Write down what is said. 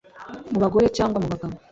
mu bagore cyangwa mu bagabo